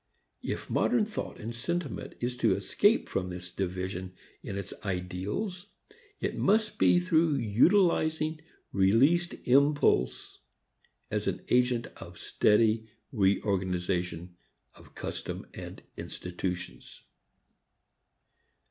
If modern thought and sentiment is to escape from this division in its ideals, it must be through utilizing released impulse as an agent of steady reorganization of custom and institutions.